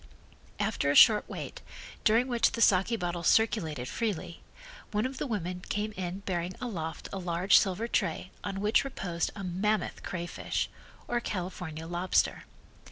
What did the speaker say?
After a short wait, during which the saki bottles circulated freely, one of the women came in bearing aloft a large silver tray on which reposed a mammoth crayfish, or California lobster.